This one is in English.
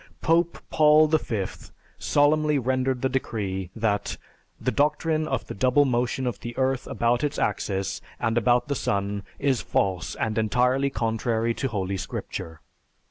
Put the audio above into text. Pope Paul V solemnly rendered the decree that "the doctrine of the double motion of the earth about its axis and about the sun is false and entirely contrary to Holy Scripture."